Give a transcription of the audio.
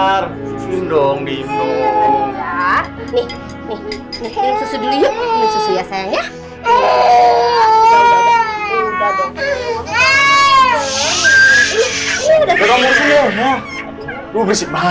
aku akan ke sini ma